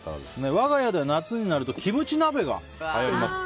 我が家では夏になるとキムチ鍋がはやります。